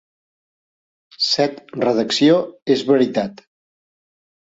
Set redacció és veritat.